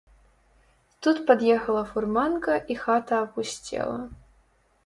Тут пад'ехала фурманка, і хата апусцела.